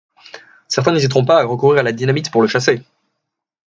Certains n'hésiteront pas à recourir à la dynamite pour le chasser!